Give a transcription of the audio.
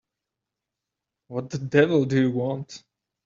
What the devil do you want?